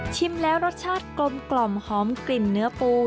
แล้วรสชาติกลมหอมกลิ่นเนื้อปู